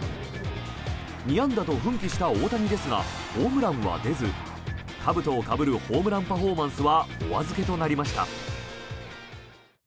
２安打と奮起した大谷ですがホームランは出ずかぶとをかぶるホームランパフォーマンスはお預けとなりました。